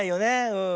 うん。